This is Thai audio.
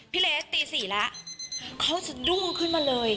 พี่เรย์ตี๔แล้วเขาจะดุ้งขึ้นมาเลย